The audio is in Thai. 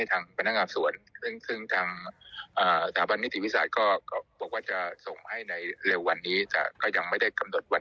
ตอนนี้ต้องไปถึงไหนแล้วคะท่าน